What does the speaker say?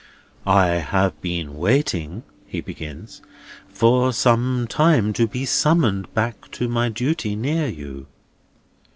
"I have been waiting," he begins, "for some time, to be summoned back to my duty near you."